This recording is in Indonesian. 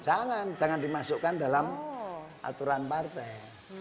jangan jangan dimasukkan dalam aturan partai